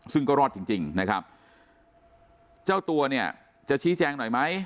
ซึ่งก็รอดจริงจริงนะครับเจ้าตัวเนี่ยจะชี้แจงหน่อยไหม